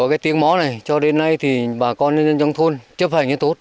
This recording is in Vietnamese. có cái tiếng mõ này cho đến nay thì bà con nhân dân trong thôn chấp hành rất tốt